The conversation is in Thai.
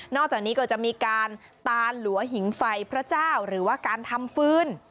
อกจากนี้ก็จะมีการตานหลัวหิงไฟพระเจ้าหรือว่าการทำฟืน